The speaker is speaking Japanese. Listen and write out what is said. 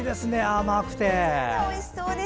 甘くて。